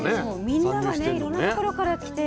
みんながねいろんな所から来て。